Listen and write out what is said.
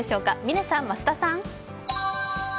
嶺さん、増田さん。